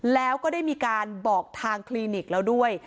แล้วก็ได้มีการบอกทางคลินิกแล้วด้วย